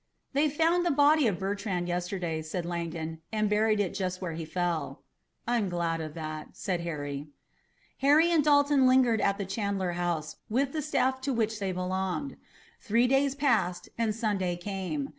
"We found the body of Bertrand yesterday," said Langdon, "and buried it just where he fell." "I'm glad of that," said Harry. Harry and Dalton lingered at the Chandler House with the staff to which they belonged. Three days passed and Sunday came.